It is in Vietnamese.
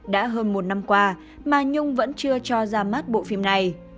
đã hơn một năm qua mà nhung vẫn chưa cho ra mắt bộ phim này